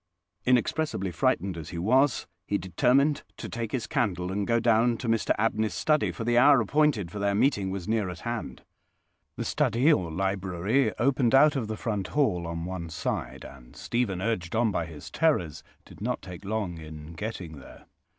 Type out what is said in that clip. Inexpressibly frightened as he was, he determined to take his candle and go down to Mr Abney's study, for the hour appointed for their meeting was near at hand. The study or library opened out of the front hall on one side, and Stephen, urged on by his terrors, did not take long in getting there.